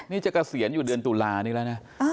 นี่จะเกษียณอยู่เดือนตุลานี้แล้วนะ